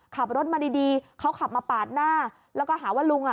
ขับรถมาดีดีเขาขับมาปาดหน้าแล้วก็หาว่าลุงอ่ะ